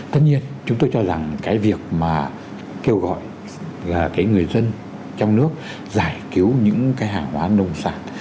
tất nhiên chúng tôi cho rằng cái việc mà kêu gọi là cái người dân trong nước giải cứu những cái hàng hóa nông sản